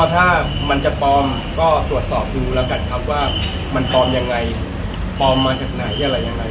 ถ้ามันจะปลอมก็ตรวจสอบดูแล้วกันครับว่ามันปลอมยังไงปลอมมาจากไหนอะไรยังไง